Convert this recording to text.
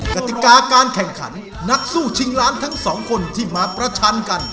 กติกาการแข่งขันนักสู้ชิงล้านทั้งสองคนที่มาประชันกัน